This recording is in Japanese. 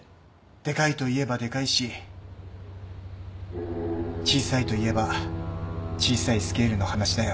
でかいといえばでかいし小さいといえば小さいスケールの話だよ。